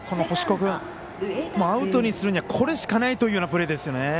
星子君、アウトにするにはこれしかないというようなプレーですよね。